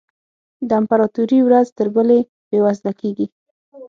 د امپراتوري ورځ تر بلې بېوزله کېږي.